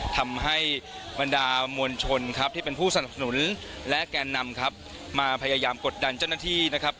ทำให้บรรดามวลชนครับที่เป็นผู้สนับสนุนและแกนนำครับมาพยายามกดดันเจ้าหน้าที่นะครับ